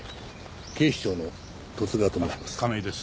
警視庁の十津川と申します。